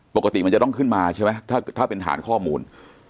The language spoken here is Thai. ปกติมันจะต้องขึ้นมาใช่ไหมถ้าเป็นฐานข้อมูล